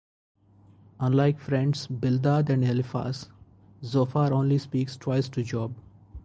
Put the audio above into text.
Unlike friends Bildad and Eliphaz, Zophar only speaks twice to Job.